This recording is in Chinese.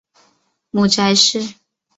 母翟氏。